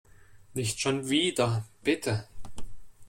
Nicht schon wieder, bitte.